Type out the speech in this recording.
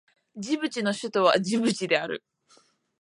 ジブチの首都はジブチである